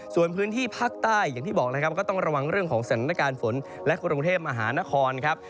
ส่วนพื้นที่ภาคใต้อย่างที่บอกนะครับก็ต้องระวังเรื่องของสถานการณ์ฝนและกรุงเทพมหานครครับ